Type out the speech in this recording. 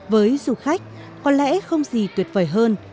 với du khách có lẽ không gì tuyệt vời hơn